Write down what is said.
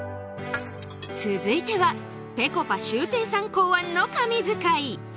続いてはぺこぱシュウペイさん考案の神図解